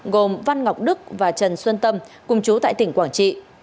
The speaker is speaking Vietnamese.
gồm văn ngọc đức và trần xuân tâm cùng chú tại tỉnh quảng trị